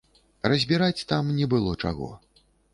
Разбіраць там не было чаго.